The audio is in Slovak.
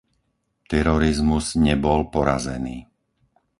Terorizmus nebol porazený.